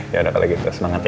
ya udah kali gitu semangat ya